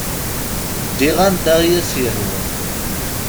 Ddiɣ anda i as-yehwa.